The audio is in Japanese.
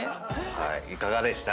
いかがでした？